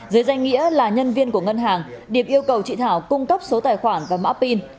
dưới danh nghĩa là nhân viên của ngân hàng điệp yêu cầu chị thảo cung cấp số tài khoản và mã pin